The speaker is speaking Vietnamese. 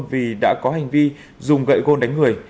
vì đã có hành vi dùng gậy gôn đánh người